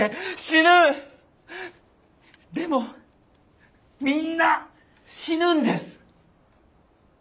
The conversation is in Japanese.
でもみんな死ぬんです。